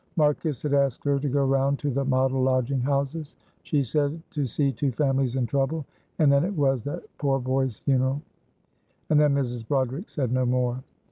"Marcus had asked her to go round to the model lodging houses," she said, "to see two families in trouble. And then it was that poor boy's funeral." And then Mrs. Broderick said no more.